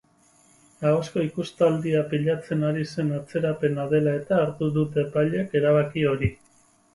Ahozko ikustaldia pilatzen ari zen atzerapena dela-eta hartu dute epaileek erabaki hori.